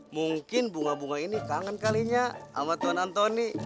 mungkin bunga bunga ini kangen kalinya sama tuan antoni